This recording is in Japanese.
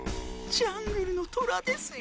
ジャングルのトラですよ。